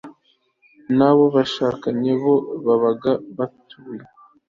n'abo bashakanye iyo babaga batuye